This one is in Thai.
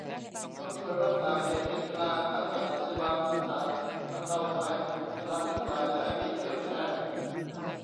ต้องช่วยรักษา 'เขตเป็นกลาง' ทั้งสถานพยาบาล สถานบรรเทาภัย สถานศึกษา อย่าให้มีเคลือบแคลง